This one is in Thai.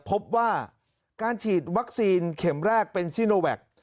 พบว่าการฉีดวัคซีนเข็มแรกเป็นซีโนแวค